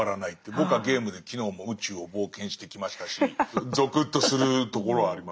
僕はゲームで昨日も宇宙を冒険してきましたしゾクッとするところはあります。